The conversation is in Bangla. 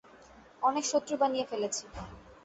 অনেক শত্রু বানিয়ে ফেলেছি।